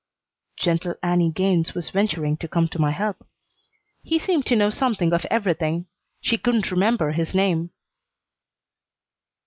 Gentle Annie Gaines was venturing to come to my help. "He seemed to know something of everything. She couldn't remember his name."